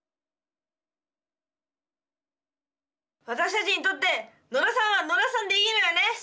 私たちにとって野田さんは野田さんでいいのよね。